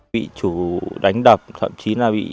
vị chủ đánh đập thậm chí là bị